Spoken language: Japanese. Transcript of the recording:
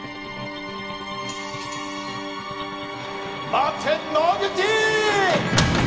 待て野口！